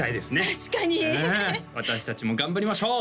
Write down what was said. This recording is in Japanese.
確かにねえ私達も頑張りましょう